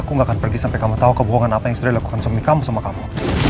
aku gak akan pergi sampai kamu tahu kebohongan apa yang sudah dilakukan suami kamu sama kamu